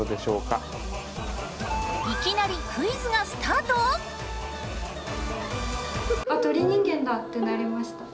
いきなりクイズがスタート？ってなりました。